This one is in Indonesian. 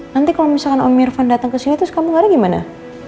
nanti kalau misalkan om irfan datang ke sini terus kamu ngeri gimana